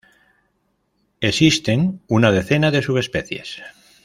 Existen una decena de subespecies.